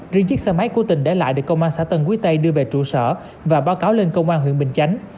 riêng chiếc xe máy của tình để lại được công an xã tân quý tây đưa về trụ sở và báo cáo lên công an huyện bình chánh